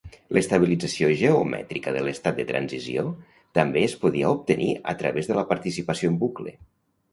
L'estabilització geomètrica de l'estat de transició també es podia obtenir a través de la participació en bucle.